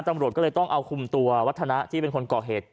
ตำรวจก็เลยต้องเอาคุมตัววัฒนะที่เป็นคนก่อเหตุ